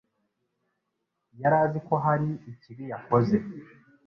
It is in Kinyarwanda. yari azi ko hari ikibi yakoze.